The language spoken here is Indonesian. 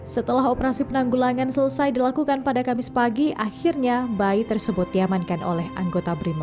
setelah operasi penanggulangan selesai dilakukan pada kamis pagi akhirnya bayi tersebut diamankan oleh anggota brimo